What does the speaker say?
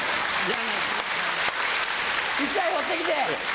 １枚持ってきて。